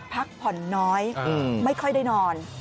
พักผ่อนน้อยไม่ค่อยได้นอน